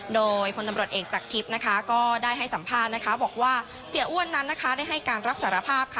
โดยผู้ตำรวจเอกจากทิพย์ก็ได้ให้สัมภาษณ์บอกว่าเสียอ้วนนั้นได้ให้การรับสารภาพ